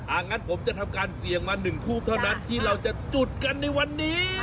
งั้นผมจะทำการเสี่ยงมา๑ทูบเท่านั้นที่เราจะจุดกันในวันนี้